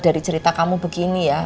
dari cerita kamu begini ya